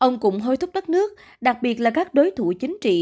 ông cũng hối thúc đất nước đặc biệt là các đối thủ chính trị